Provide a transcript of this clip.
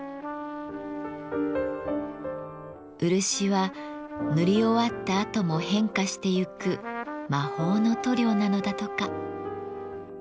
漆は塗り終わったあとも変化してゆく魔法の塗料なのだとか。